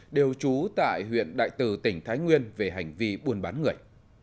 đều trú tại huyện đại từ tỉnh thái nguyên về hành vi buôn bán người